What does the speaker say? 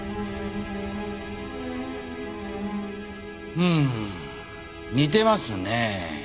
うーん似てますねえ。